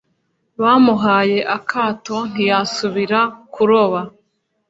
bamuhaye akato ntiyasubira kuroba